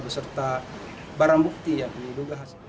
beserta barang bukti yang ditumpang